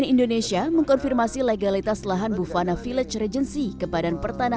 ada penanggulan dari tandatan ketua dpr tapi